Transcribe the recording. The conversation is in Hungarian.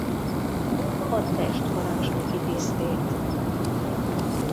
Hadtest parancsnoki tisztét.